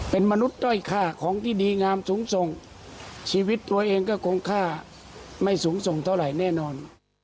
เป็นมนุษย์ด้อยค่าของที่ดีงามสูงส่งชีวิตตัวเองก็คงค่าไม่สูงส่งเท่าไหร่แน่นอน